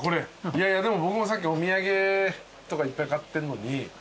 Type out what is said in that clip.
いやいやでも僕もさっきお土産とかいっぱい買ってんのに。